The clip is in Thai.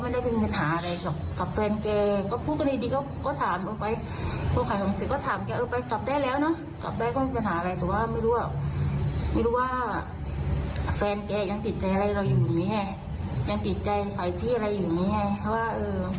ถ้าถามเองขอบได้แล้วนะขอบได้ก็คงจะหาอะไรนะแต่ว่าไม่รู้ว่าฝันแกยังปิดใจใส่ไหวที่อะไรอยู่แบบเนี่ย